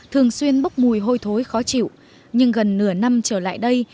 thường xuyên bốc mùi hôi thối khó chịu nhưng gần nửa năm trở lại đây